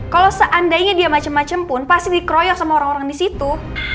kalau seandainya dia macam macam pun pasti dikeroyok sama orang orang di situ